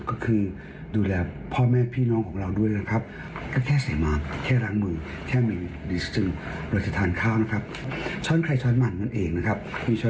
ค่ะกันก็รู้สึกแค่รู้สึกตอบในทางนี้